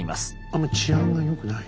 あんまり治安が良くない。